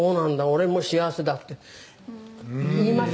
俺も幸せだ”って言いましたよね？」